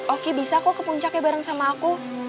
oke bisa kok ke puncaknya bareng sama aku